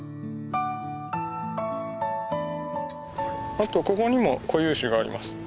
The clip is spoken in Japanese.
あとここにも固有種があります。